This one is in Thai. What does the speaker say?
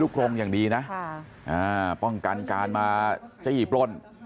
ลูกลงอย่างดีณพอป้องกันการมาจะหยีบรน